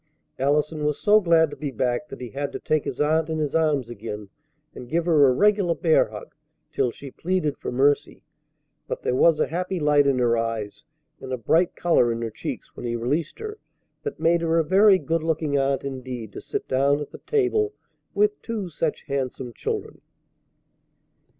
Allison was so glad to be back that he had to take his aunt in his arms again and give her a regular bear hug till she pleaded for mercy, but there was a happy light in her eyes and a bright color in her cheeks when he released her that made her a very good looking aunt indeed to sit down at the table with two such handsome children.